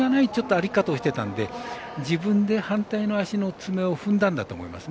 歩き方をしていたので自分で反対の脚の爪を踏んだんだと思います。